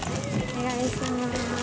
お願いします